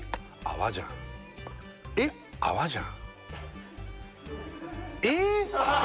泡じゃんえっ泡じゃんえ！